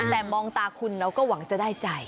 แต่มองตาคุณเราก็หวังจะได้ใจ